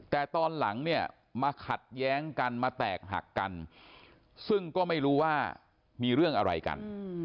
แต่ตอนหลังเนี่ยมาขัดแย้งกันมาแตกหักกันซึ่งก็ไม่รู้ว่ามีเรื่องอะไรกัน